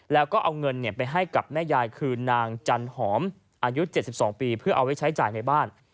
แล้วก็เอาเงินไปให้กับแม่ยายคือนางจันหอมอายุ๗๒ปีเพื่อเอาไว้ใช้จ่ายในบ้าน